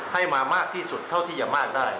ให้มามากที่สุดเท่าที่จะมากได้